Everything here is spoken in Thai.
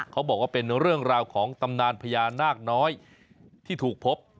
เขาบอกว่าเป็นเรื่องราวของตำนานพญานาคน้อยที่ถูกพบ